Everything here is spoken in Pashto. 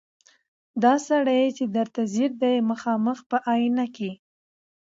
دا سړی چي درته ځیر دی مخامخ په آیینه کي